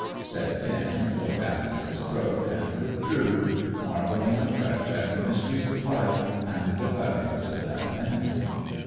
said Finn low down in his throat, and withdrew, marvelling afresh at the mysteries of life and the cleverness of femininity.